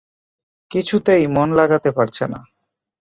কিছুতেই মন লাগাতে পারছে না।